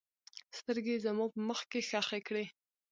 سترګې یې زما په مخ کې ښخې کړې.